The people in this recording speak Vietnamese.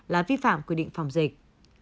là vi phạm quy định phòng dịch